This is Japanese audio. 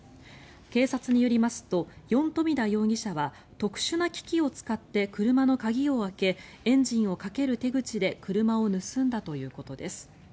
警察によりますとヨン・トミダ容疑者は特殊な機器を使って車の鍵を開けエンジンをかける手口で車を盗んだということです。